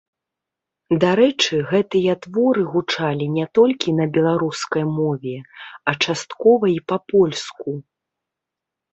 Дарэчы, гэтыя творы гучалі не толькі на беларускай мове, а часткова і па-польску.